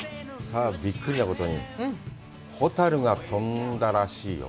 びっくりなことに、ホタルが飛んだらしいよ。